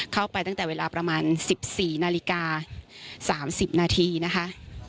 เข้าไปตั้งแต่เวลาประมาณสิบสี่นาฬิกาสามสิบนาทีนะคะ